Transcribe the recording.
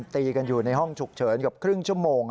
ตีกันอยู่ในห้องฉุกเฉินเกือบครึ่งชั่วโมง